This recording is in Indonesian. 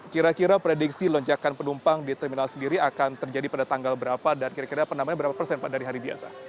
kira kira prediksi lonjakan penumpang di terminal sendiri akan terjadi pada tanggal berapa dan kira kira penambahan berapa persen pak dari hari biasa